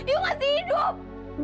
ibu masih hidup